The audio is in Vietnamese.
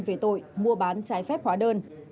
về tội mua bán trái phép hóa đơn